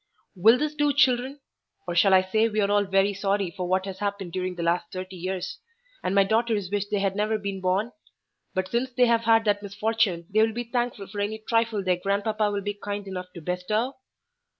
"Will this do, children?—or shall I say we are all very sorry for what has happened during the last thirty years, and my daughters wish they had never been born; but since they have had that misfortune, they will be thankful for any trifle their grandpapa will be kind enough to bestow?"